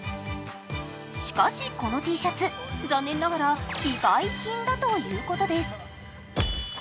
しかし、このＴシャツ、残念ながら非売品だということです。